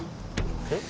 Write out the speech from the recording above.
えっ？